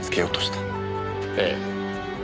ええ。